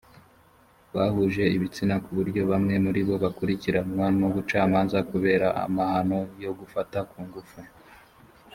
bahuje ibitsina ku buryo bamwe muri bo bakurikiranwa n’ubucamanza kubera amahano yo gufata ku ngufu